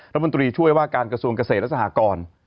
รัฐมนตรีช่วยว่าการกระทรวงเกษตรและสหกร